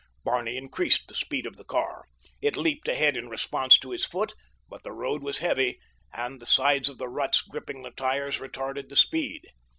Barney increased the speed of the car. It leaped ahead in response to his foot; but the road was heavy, and the sides of the ruts gripping the tires retarded the speed.